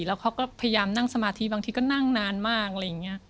แล้วเขาก็พยายามนั่งสมาธิบางทีก็นั่งนานมากอะไรอย่างนี้